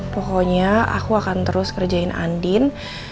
pokoknya aku akan terus ngerjain andien